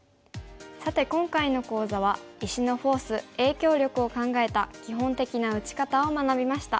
さて今回の講座は石のフォース影響力を考えた基本的な打ち方を学びました。